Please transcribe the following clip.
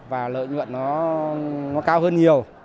và lợi nhuận nó cao hơn nhiều